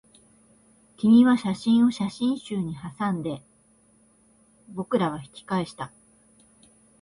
君は写真を写真集にはさんで、僕らは引き返した